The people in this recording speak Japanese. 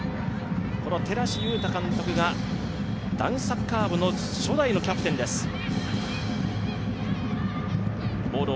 寺師勇太監督が男子サッカー部の初代のキャプテンです。